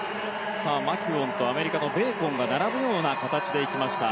マキュオンとアメリカのベーコンが並ぶような形でいきました。